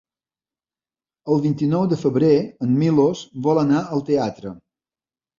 El vint-i-nou de febrer en Milos vol anar al teatre.